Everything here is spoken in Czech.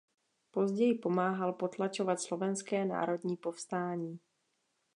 Později pomáhal potlačovat Slovenské národní povstání.